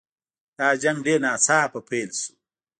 دا جنګ ډېر ناڅاپه پیل شو.